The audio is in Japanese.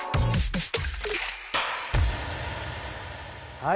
はい。